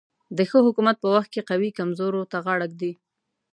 د ښه حکومت په وخت کې قوي کمزورو ته غاړه ږدي.